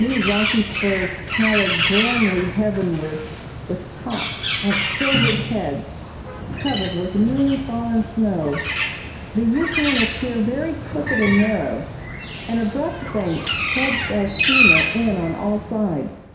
Many rocky spurs towered grandly heavenward, with tops, like silvered heads, covered with newly fallen snow. The Yukon is here very crooked and narrow, and abrupt banks hedged our steamer in on all sides.